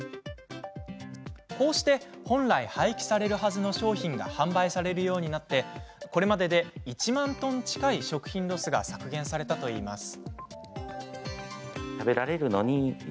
こうして本来廃棄されるはずの商品が販売されるようになりこれまで１万トン近い食品ロスが削減されたといいます。